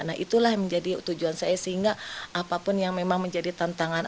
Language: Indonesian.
nah itulah yang menjadi tujuan saya sehingga apapun yang memang menjadi tantangan